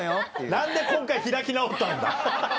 何で今回開き直ったんだ。